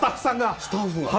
スタッフが。